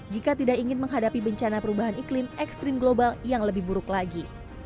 jika tidak ingin menghadapi bencana perubahan iklim ekstrim global yang lebih buruk lagi